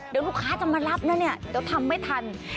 เดี๋ยวลูกค้าก็มารับนะจะทำไม่ทัน